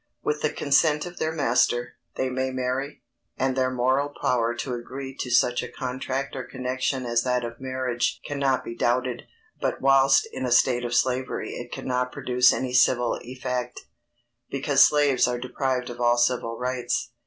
With the consent of their master, they may marry, and their moral power to agree to such a contract or connection as that of marriage cannot be doubted; but whilst in a state of slavery it cannot produce any civil effect, because slaves are deprived of all civil rights.